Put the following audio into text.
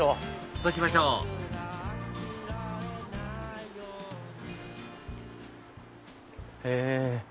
そうしましょうへぇ！